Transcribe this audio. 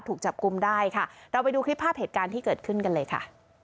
ถูกจับกลุ่มได้ค่ะเราไปดูคลิปภาพเหตุการณ์ที่เกิดขึ้นกันเลยค่ะ